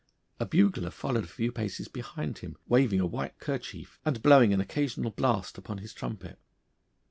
A bugler followed a few paces behind him, waving a white kerchief and blowing an occasional blast upon his trumpet.